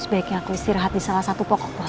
sebaiknya aku istirahat di salah satu pokok